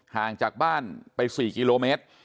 ห่างจากบ้านไป๔กิโลเมตร